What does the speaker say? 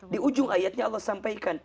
di ujung ayatnya allah sampaikan